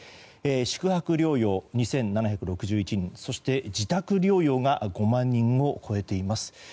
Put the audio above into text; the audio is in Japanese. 宿泊療養、２７６１人そして自宅療養が５万人を超えています。